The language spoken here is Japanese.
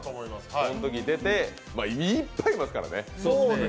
そのとき出てまあいっぱいいますからね。